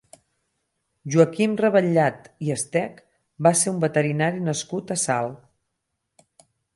Joaquim Ravetllat i Estech va ser un veterinari nascut a Salt.